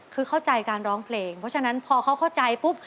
คือเข้าใจการร้องเพลงเพราะฉะนั้นพอเขาเข้าใจปุ๊บ